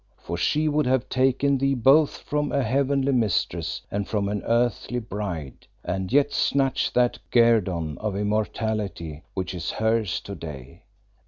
For she would have taken thee both from a heavenly mistress and from an earthly bride, and yet snatch that guerdon of immortality which is hers to day.